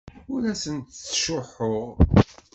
Ur asent-ttcuḥḥuɣ.